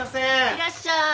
いらっしゃい！